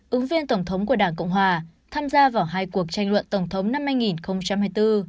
ứng viên tổng thống của đảng cộng hòa tham gia vào hai cuộc tranh luận tổng thống năm hai nghìn hai mươi bốn